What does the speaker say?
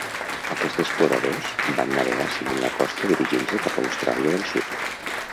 Aquests exploradors van navegar seguint la costa dirigint-se cap a Austràlia del Sud.